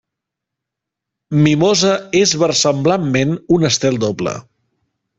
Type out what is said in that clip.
Mimosa és versemblantment un estel doble.